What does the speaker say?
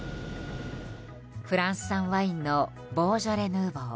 フランス産ワインのボージョレ・ヌーボー。